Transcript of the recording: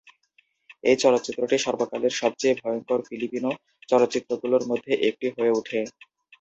এই চলচ্চিত্রটি সর্বকালের সবচেয়ে ভয়ঙ্কর ফিলিপিনো চলচ্চিত্রগুলোর মধ্যে একটি হয়ে উঠে।